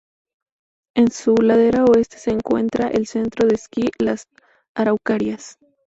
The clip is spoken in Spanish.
En su ladera oeste se encuentra el centro de esquí Las Araucarias.